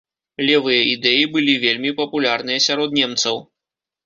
Левыя ідэі былі вельмі папулярныя сярод немцаў.